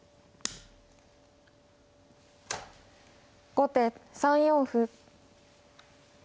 後手３四歩。